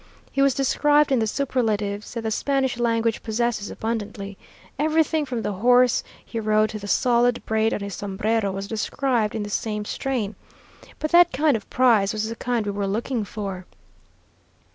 He was described in the superlatives that the Spanish language possesses abundantly; everything from the horse he rode to the solid braid on his sombrero was described in the same strain. But that kind of prize was the kind we were looking for.